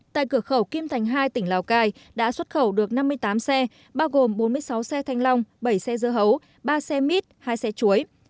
tại cửa khẩu kim thành hai tỉnh lào cai đã xuất khẩu được năm mươi tám xe bao gồm bốn mươi sáu xe thanh long bảy xe dưa hấu ba xe mít hai xe chuối